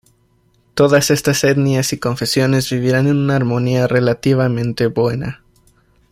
Todas estas etnias y confesiones vivirán en una armonía relativamente buena.